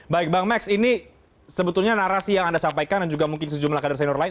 baik bang max ini sebetulnya narasi yang anda sampaikan dan juga mungkin sejumlah kader senior lain